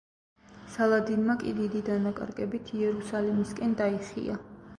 სალადინმა კი დიდი დანაკარგებით იერუსალიმისკენ დაიხია.